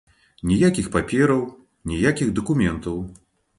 Ніякіх папераў, ніякіх дакументаў.